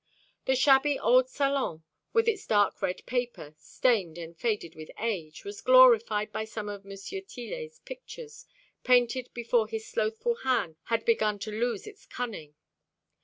The shabby old salon, with its dark red paper, stained and faded with age, was glorified by some of M. Tillet's pictures, painted before his slothful hand had begun to lose its cunning.